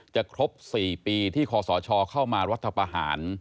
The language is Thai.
ครบ๔ปีที่คศเข้ามารัฐประหาร